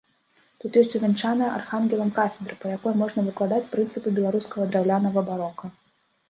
Тут ёсць увянчаная архангелам кафедра, па якой можна выкладаць прынцыпы беларускага драўлянага барока.